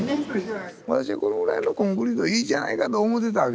私はこのぐらいのコンクリートでいいじゃないかと思ってたわけですよ。